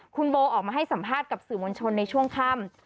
คุณโบออกมาให้สัมภาษณ์กับสื่อมวลชนในช่วงค่ำ